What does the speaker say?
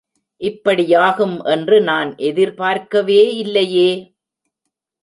இப்படியாகும் என்று நான் எதிர்பார்க்கவே இல்லையே!